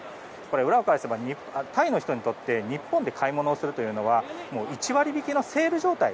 裏を返せば、タイの人にとって日本で買い物をするというのは１割引きのセール状態。